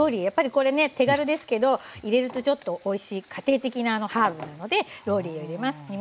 やっぱりこれね手軽ですけど入れるとちょっとおいしい家庭的なハーブなのでローリエを入れます。